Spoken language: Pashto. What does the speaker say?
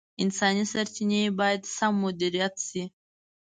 انساني سرچیني باید سم مدیریت شي.